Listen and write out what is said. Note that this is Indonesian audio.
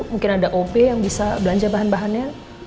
mungkin ada op yang bisa belanja bahan bahannya